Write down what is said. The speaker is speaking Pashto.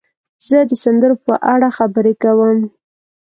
زه د سندرو په اړه خبرې کوم.